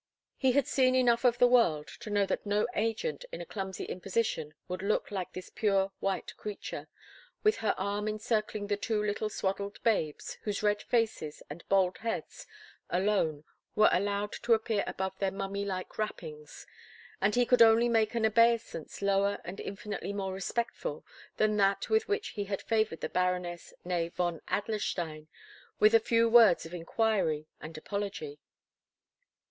He had seen enough of the world to know that no agent in a clumsy imposition would look like this pure white creature, with her arm encircling the two little swaddled babes, whose red faces and bald heads alone were allowed to appear above their mummy like wrappings; and he could only make an obeisance lower and infinitely more respectful than that with which he had favoured the Baroness née von Adlerstein, with a few words of inquiry and apology.